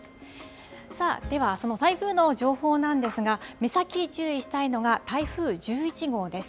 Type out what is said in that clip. では、その台風の情報なんですが目先注意したいのが台風１１号です。